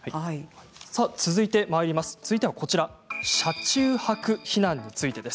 続いては車中泊避難についてです。